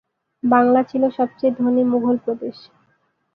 বাংলা ছিল সবচেয়ে ধনী মুঘল প্রদেশ।